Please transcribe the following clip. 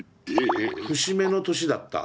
節目の年だった。